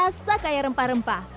terasa kayak rempah rempah